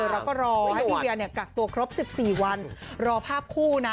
เราก็รอให้พี่เวียกักตัวครบ๑๔วันรอภาพคู่นะ